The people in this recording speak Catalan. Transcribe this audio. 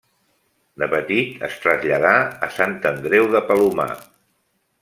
De petit es traslladà a Sant Andreu de Palomar.